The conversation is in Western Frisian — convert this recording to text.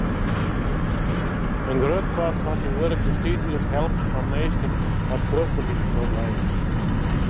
In grut part fan syn wurk bestiet út it helpen fan minsken mei fruchtberheidsproblemen.